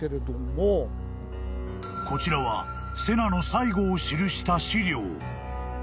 ［こちらは瀬名の最期を記した史料］